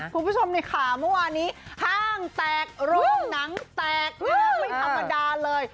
คุณผู้ชมค่ะเมื่อวานี้ห้างแตกโรงหนังแตกแล้วไม่ธรรมดาเลย